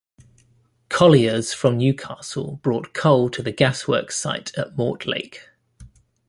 Colliers from Newcastle brought coal to the gasworks site at Mortlake.